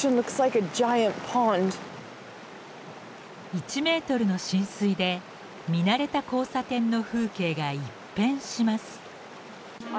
１ｍの浸水で見慣れた交差点の風景が一変します。